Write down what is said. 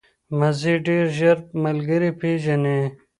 وزې ډېر ژر ملګري پېژني